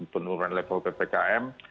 penurunan level ppkm